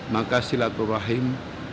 makasih latul rahim